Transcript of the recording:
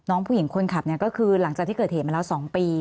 น้องผู้หญิงคนขับเนี่ยก็คือหลังจากที่เกิดเหตุมาแล้ว๒ปี